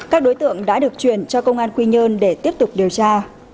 các đối tượng đã được chuyển cho công an quy nhơn để tiếp tục điều tra